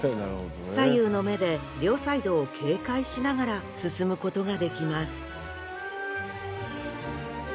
左右の目で両サイドを警戒しながら進むことができます